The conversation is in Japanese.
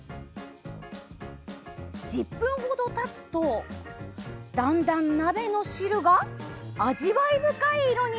１０分程たつと、だんだん鍋の汁が味わい深い色に。